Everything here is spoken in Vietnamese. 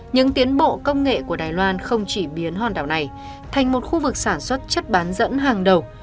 những tiến bộ công nghệ của đài loan không chỉ biến hòn đảo này thành một khu vực sản xuất chất bán dẫn hàng đầu